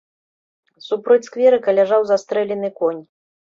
Супроць скверыка ляжаў застрэлены конь.